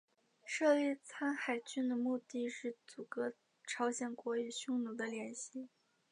设立苍海郡的目的是阻隔朝鲜国与匈奴的联系。